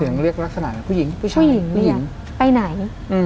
เสียงเรียกลักษณะผู้หญิงผู้ชายผู้หญิงเรียกไปไหน